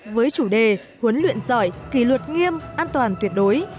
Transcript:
với chủ đề huấn luyện giỏi kỳ luật nghiêm an toàn tuyệt đối